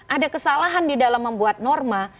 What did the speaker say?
ada kesalahan di dalam membuat norma